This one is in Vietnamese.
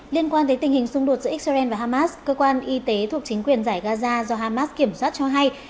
liên quan tới tình hình xung đột giữa israel và hamas cơ quan y tế thuộc chính quyền giải gaza do hamas kiểm soát cho hay